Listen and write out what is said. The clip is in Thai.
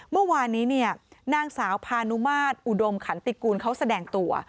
เมื่อวานนี้เนี่ยนางสาวพานุมาตรอุดมขันติกูลเขาแสดงตัว